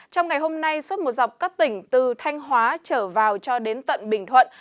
trong ngày hôm nay suốt một dọc các tỉnh từ thanh hóa trở vào cho đến tận bình thuận